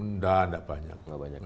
nggak nggak banyak